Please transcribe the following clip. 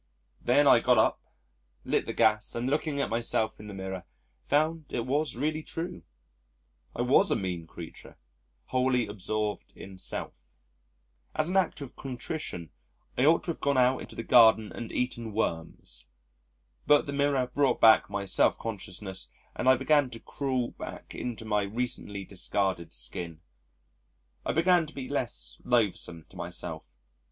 Then I got up, lit the gas and looking at myself in the mirror, found it was really true, I was a mean creature, wholly absorbed in self. As an act of contrition, I ought to have gone out into the garden and eaten worms. But the mirror brought back my self consciousness and I began to crawl back into my recently discarded skin I began to be less loathesome to myself.